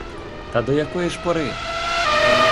Та до якої ж пори?